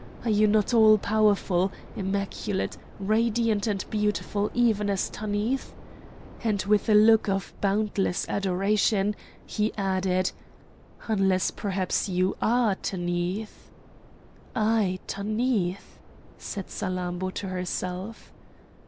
are you not all powerful, immaculate, radiant and beautiful even as Tanith?" And with a look of boundless adoration he added: "Unless perhaps you are Tanith?" "I, Tanith!" said Salammbô to herself.